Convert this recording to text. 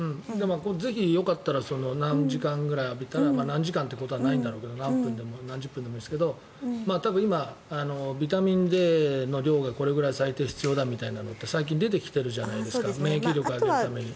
ぜひよかったら何時間くらい浴びたら何時間ということはないんだろうけど何分でも何十分でもいいんですが多分今、ビタミンＤの量がこれぐらい最低必要だみたいなのって最近、出てきてるじゃないですか免疫力上げるために。